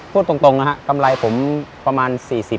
พูดตรงนะฮะกำไรผมประมาณ๔๐